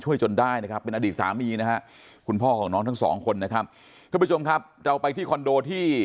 ช่วยจนได้นะครับเป็นอดีตสามีอ่ะคุณพ่อของน้องทั้ง๒คนนะครับเขาไปจงครับจะไปที่คอนโดที่